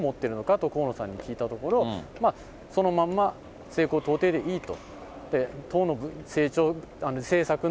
と、河野さんに聞いたところ、そのまんま政高党低でいいと。